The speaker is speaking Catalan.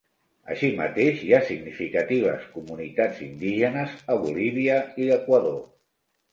Així mateix, hi ha significatives comunitats indígenes a Bolívia i Equador.